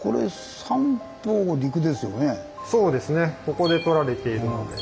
ここでとられているので。